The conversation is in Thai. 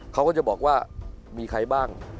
เขาก็จะบอกว่ามีใครบ้าง